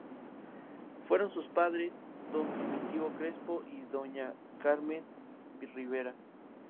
Fueron sus padres don Primitivo Crespo y doña Carmen Rivera.